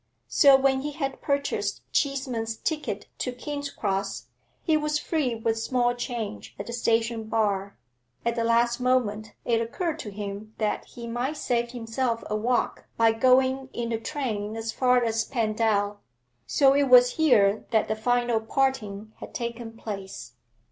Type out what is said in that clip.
So when he had purchased Cheeseman's ticket to King's Gross, he was free with small change at the station bar. At the last moment it occurred to him that he might save himself a walk by going in the train as far as Pendal. So it was here that the final parting had taken place.